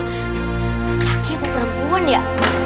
siapa lagi yang mau perempuan ya